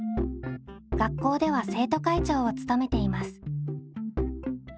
学校では生徒会長を務めています。